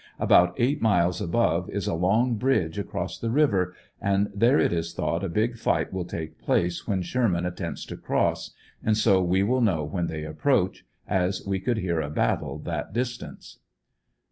About eight miles above is a long bridge across the river and there it is thought a big fight will take place when Sherman attempts to cross, and so we will know when they approach, as we could hear a battle that dis tance.